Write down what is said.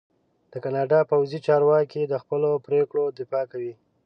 د کاناډا پوځي چارواکي د خپلو پرېکړو دفاع کوي.